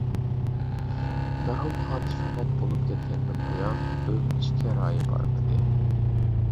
مەرھۇم خانىش ۋاپات بولۇپ كەتكەندىن بۇيان ئۆيلىنىشكە رايى بارمىدى.